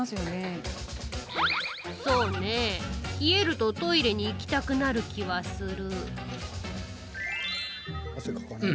そうね、冷えるとトイレに行きたくなる気はする。